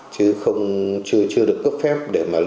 chứ chưa được cấp phép